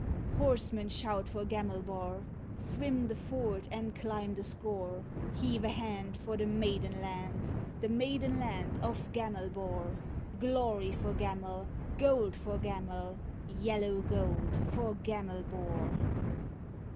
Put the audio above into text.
Horsemen, shout for Gamelbar! Swim the ford and climb the scaur! Heave a hand For the maiden land, The maiden land of Gamelbar! Glory for Gamel, Gold for Gamel, Yellow gold for Gamelbar!